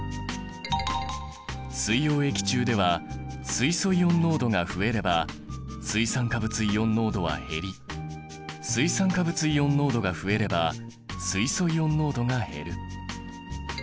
水溶液中では水素イオン濃度が増えれば水酸化物イオン濃度は減り水酸化物イオン濃度が増えれば水素イオン濃度が減る。